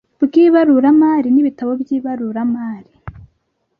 bw ibaruramari n ibitabo by ibaruramari